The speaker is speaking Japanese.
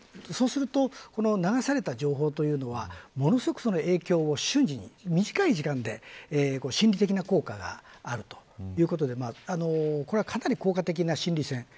そうすると流された情報というのはものすごく影響を瞬時に、短い時間で心理的な効果があるということでこれはかなり効果的な心理戦。